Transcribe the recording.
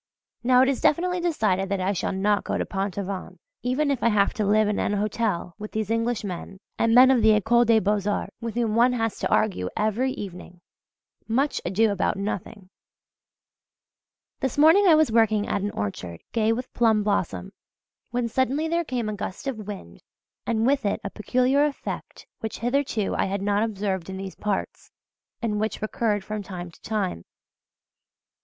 Now it is definitely decided that I shall not go to Pont Aven if I have to live in an hotel with these Englishmen and men of the Ecole des Beaux Arts, with whom one has to argue every evening much ado about nothing! This morning I was working at an orchard gay with plum blossom, when suddenly there came a gust of wind and with it a peculiar effect which hitherto I had not observed in these parts, and which recurred from time to time.